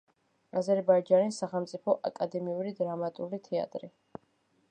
აზერბაიჯანის სახელმწიფო აკადემიური დრამატული თეატრი.